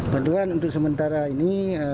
bantuan untuk sementara ini